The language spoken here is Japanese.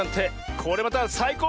これまたさいこう